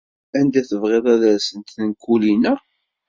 Anda tebɣiḍ ad rsent tenkulin-a?